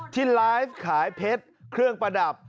ที่ไลฟ์ขายเพชรเครื่องประดับ